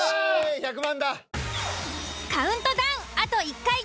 １００万だ。